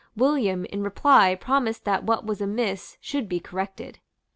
William in reply promised that what was amiss should be corrected.